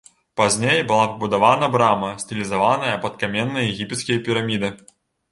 Пазней была пабудавана брама, стылізаваная пад каменныя егіпецкія піраміды.